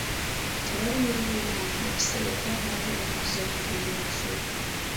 Tewali mwana yenna yafuna kisago kuba baali bamaze okugenda okusoma.